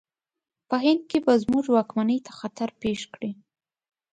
په هند کې به زموږ واکمنۍ ته خطر پېښ کړي.